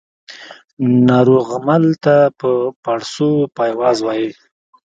ناروغمل ته په پاړسو پایواز وايي